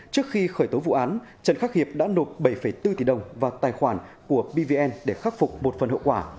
trước khi khởi tố vụ án trần khắc hiệp đã nộp bảy bốn tỷ đồng vào tài khoản của pvn để khắc phục một phần hậu quả